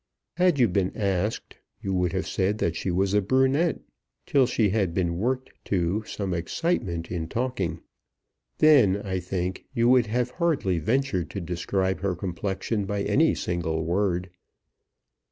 Had you been asked, you would have said that she was a brunette, till she had been worked to some excitement in talking. Then, I think, you would have hardly ventured to describe her complexion by any single word.